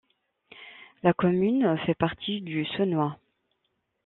La commune fait partie du Saulnois.